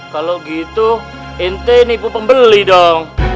kalau gitu inti nipu pembeli dong